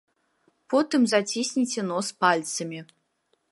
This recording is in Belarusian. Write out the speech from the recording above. Потым зацісніце нос пальцамі.